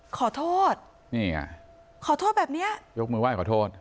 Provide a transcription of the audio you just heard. ขอโทษนี่ไงขอโทษแบบเนี้ยยกมือไห้ขอโทษ